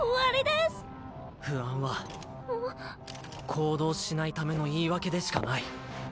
行動しないための言い訳でしかない。